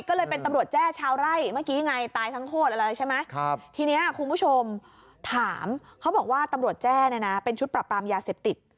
ก็เลยเป็นตำรวจแจ้ชาวไร่เมื่อกี้ไงตายทั้งโคตรอะไรใช่ไหมทีนี้คุณผู้ชมถามเขาบอกว่าตำรวจแจ้เนี่ยนะเป็นชุดปรับปรามยาเสพติด